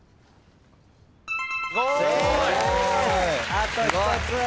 あと一つ！